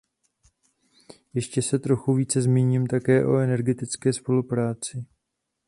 Ještě se trochu více zmíním také o energetické spolupráci.